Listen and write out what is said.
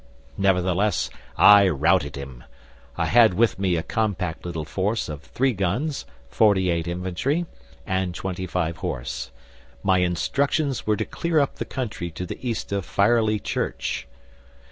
Nevertheless I routed him. I had with me a compact little force of 3 guns, 48 infantry, and 25 horse. My instructions were to clear up the country to the east of Firely Church.